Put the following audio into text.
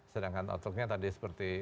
sedangkan outlooknya tadi seperti